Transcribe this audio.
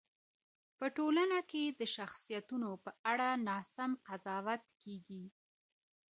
په ټولنه کي د شخصیتونو په اړه ناسم قضاوت کیږي.